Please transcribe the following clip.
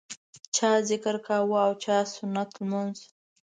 چا ذکر کاوه او چا سنت لمونځ.